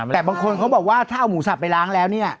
แต่บางคนเขาบอกว่าถ้าเอาหมูสับไปล้างแล้วเนี่ย